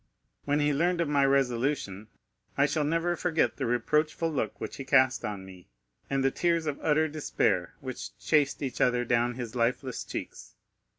When he learned my resolution, I shall never forget the reproachful look which he cast on me, and the tears of utter despair which chased each other down his lifeless cheeks.